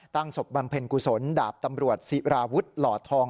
ตั้งศพบังเพลินกุศลดาบตำรวจสีราวุธหลอดทอง